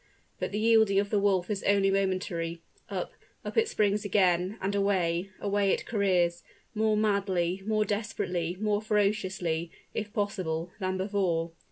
But the yielding of the wolf is only momentary; up up it springs again and away, away it careers, more madly, more desperately, more ferociously, if possible, than before.